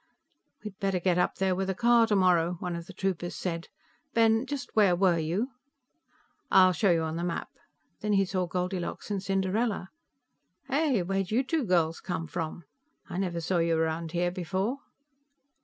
"We better get up there with a car tomorrow," one of the troopers said. "Ben, just where were you?" "I'll show you on the map." Then he saw Goldilocks and Cinderella. "Hey! Where'd you two girls come from? I never saw you around here before."